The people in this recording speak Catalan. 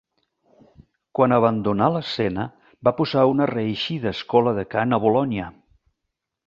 Quan abandonà l'escena va posar una reeixida escola de cant a Bolonya.